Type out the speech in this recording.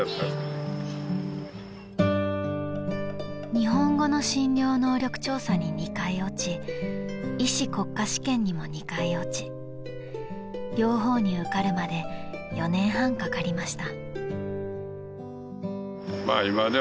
［日本語の診療能力調査に２回落ち医師国家試験にも２回落ち両方に受かるまで４年半かかりました］